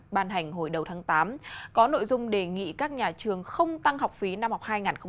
ban hành hồi đầu tháng tám có nội dung đề nghị các nhà trường không tăng học phí năm học hai nghìn hai mươi hai nghìn hai mươi một